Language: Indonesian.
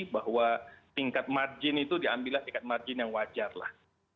bahwa tingkat margin itu diambillah tingkat margin yang wajar lah